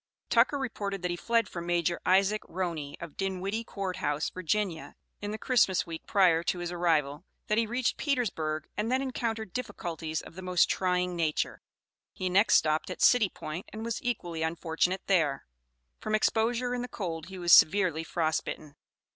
Tucker reported that he fled from Major Isaac Roney, of Dinwiddie Court House, Virginia, in the Christmas week prior to his arrival; that he reached Petersburg and then encountered difficulties of the most trying nature; he next stopped at City Point, and was equally unfortunate there. From exposure in the cold he was severely frost bitten.